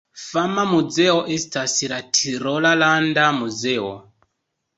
Fama muzeo estas la Tirola Landa Muzeo.